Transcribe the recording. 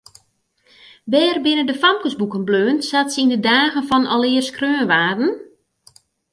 Wêr binne de famkesboeken bleaun sa't se yn de dagen fan alear skreaun waarden?